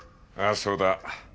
ああそうだ。